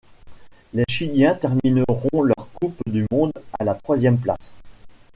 Les Chiliens termineront leur coupe du monde à la troisième place.